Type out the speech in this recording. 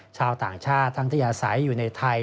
ชาวต่างชาติที่อยู่ในไทย